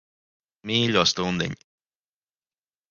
Mīļo stundiņ.